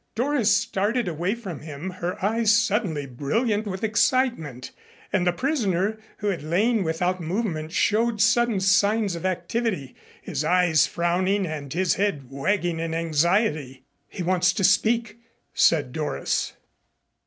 Doris started away from him, her eyes suddenly brilliant with excitement, and the prisoner, who had lain without movement, showed sudden signs of activity, his eyes frowning and his head wagging in anxiety. "He wants to speak," said Doris.